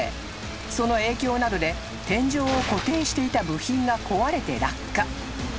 ［その影響などで天井を固定していた部品が壊れて落下］